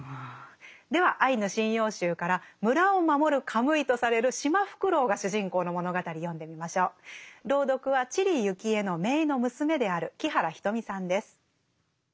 では「アイヌ神謡集」から村を守るカムイとされるシマフクロウが主人公の物語読んでみましょう。朗読は知里幸恵の姪の娘である木原仁美さんです。